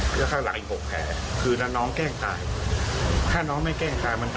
ผู้ต้องหาคือไม่คิดว่าผู้ท่านทำเก่งอะไรเลย